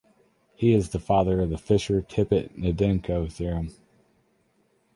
He is the father of the Fisher-Tippett-Gnedenko theorem.